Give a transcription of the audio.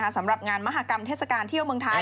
สำหรับงานมหากรรมเทศกาลเที่ยวเมืองไทย